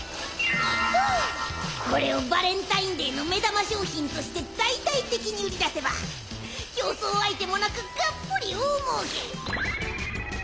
これをバレンタインデーの目玉商品として大々的に売り出せば競争相手もなくがっぽり大もうけ！